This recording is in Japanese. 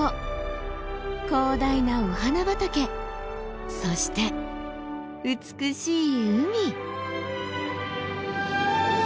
広大なお花畑そして美しい海。